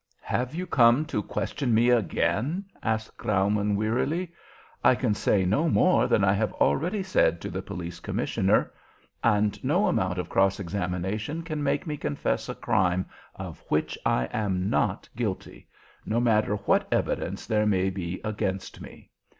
"Have you come to question me again?" asked Graumann wearily. "I can say no more than I have already said to the Police Commissioner. And no amount of cross examination can make me confess a crime of which I am not guilty no matter what evidence there may be against me."